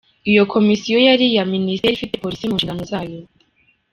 Iyo komisiyo yari iya Minisiteri ifite Polisi mu nshingano zayo.